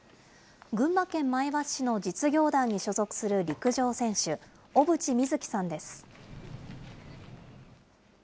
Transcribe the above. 群馬県前橋市の実業団に所属する陸上選手、小渕瑞樹さんです。